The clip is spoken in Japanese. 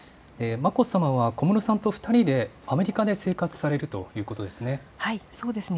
眞子さまは小室さんと２人でアメリカで生活されるということですね。